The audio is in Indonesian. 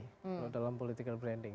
kalau dalam political branding